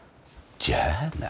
じゃあな。